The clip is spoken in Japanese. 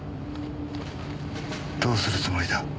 どうするつもりだ？